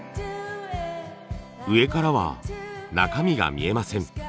上からは中身が見えません。